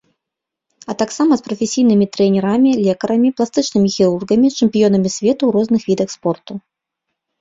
А таксама з прафесійнымі трэнерамі, лекарамі, пластычнымі хірургамі, чэмпіёнамі свету ў розных відах спорту.